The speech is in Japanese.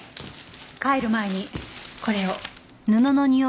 帰る前にこれを。